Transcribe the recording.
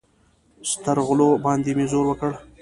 سترغلو باندې مې زور وکړ.